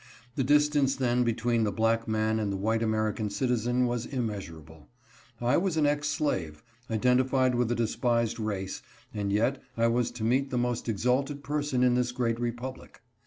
The distance then between the black man and the white American citizen was immeas urable. I was an ex slave, identified with a despised race, and yet I was to meet the most exalted person in this great republic.